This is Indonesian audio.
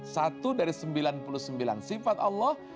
satu dari sembilan puluh sembilan sifat allah